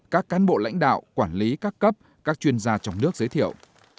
các cán bộ lãnh đạo quản lý các cấp các chuyên gia trong nước giới thiệu